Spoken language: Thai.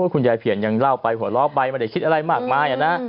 คุณยายเพียนยังเล่าไปหัวเราะไปไม่ได้คิดอะไรมากมายนะ